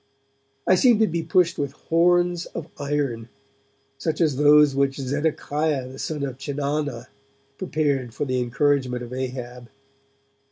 I seemed to be pushed with horns of iron, such as those which Zedekiah the son of Chenaanah prepared for the encouragement of Ahab.